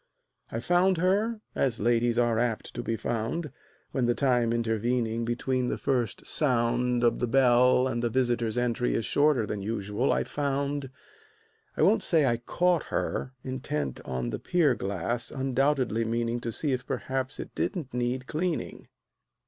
I found her as ladies are apt to be found, When the time intervening between the first sound Of the bell and the visitor's entry is shorter Than usual I found; I won't say I caught her, Intent on the pier glass, undoubtedly meaning To see if perhaps it didn't need cleaning.